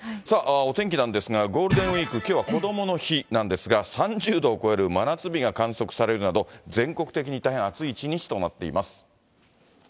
お天気なんですが、ゴールデンウィーク、きょうはこどもの日なんですが、３０度を超える真夏日が観測されるなど、全国的に大変暑い一日となっています。